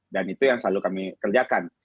dan itu yang selalu kami kerjakan